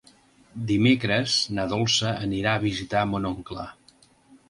Dimecres na Dolça anirà a visitar mon oncle.